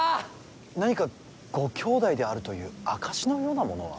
何かご兄弟であるという証しのようなものは。